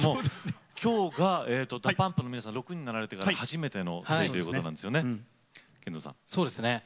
きょうがＤＡＰＵＭＰの皆さん６人になられてから初めてのステージということなんですね。